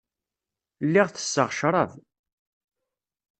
Lliɣ tesseɣ ccrab.